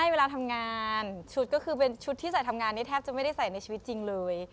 เวลาทำงานชุดจึกจะไม่ได้ใส่ในชีวิตจริงเลย